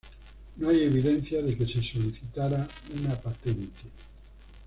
No hay evidencia de que se solicitara una patente.